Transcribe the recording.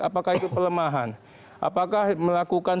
apakah itu pelemahan apakah melakukan